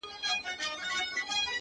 زمـــا د رسـوايـــۍ كــيســه”